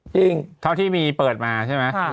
เท่าที่มีเปิดมาใช่ไหม